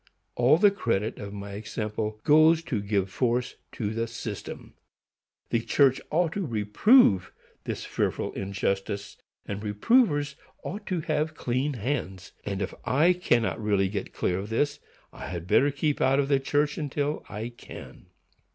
All the credit of my example goes to give force to the system. The church ought to reprove this fearful injustice, and reprovers ought to have clean hands: and if I cannot really get clear of this, I had better keep out of the church till I can."